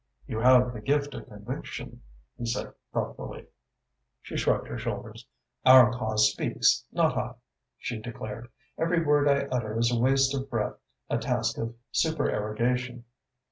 "You have the gift of conviction," he said thoughtfully. She shrugged her shoulders. "Our cause speaks, not I," she declared. "Every word I utter is a waste of breath, a task of supererogation.